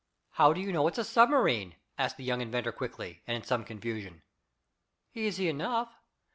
"How do you know it's a submarine?" asked the young inventor quickly, and in some confusion. "Easy enough.